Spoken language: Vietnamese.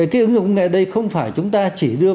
cái ứng dụng công nghệ đây không phải chúng ta chỉ đưa